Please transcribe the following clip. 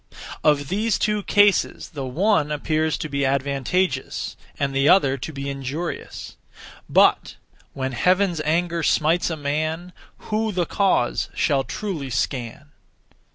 Of these two cases the one appears to be advantageous, and the other to be injurious. But When Heaven's anger smites a man, Who the cause shall truly scan?